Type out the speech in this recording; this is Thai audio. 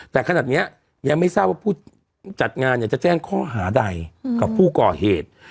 แต่ขนาดนี้ยังไม่ทราบว่าผู้จัดงานเนี่ยจะแจ้งข้อหาใดกับผู้ก่อเหตุ